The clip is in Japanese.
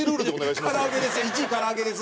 から揚げです。